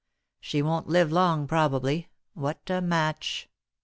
She won't live long, probably. What a match!"